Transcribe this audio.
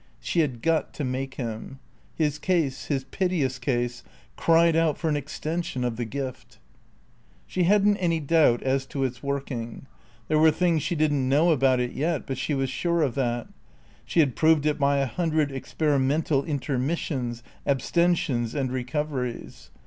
She had got to make him. His case, his piteous case, cried out for an extension of the gift. She hadn't any doubt as to its working. There were things she didn't know about it yet, but she was sure of that. She had proved it by a hundred experimental intermissions, abstentions, and recoveries.